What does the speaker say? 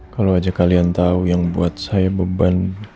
kalo aja kalian tau yang buat saya beban